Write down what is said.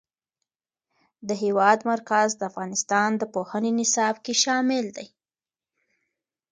د هېواد مرکز د افغانستان د پوهنې نصاب کې شامل دی.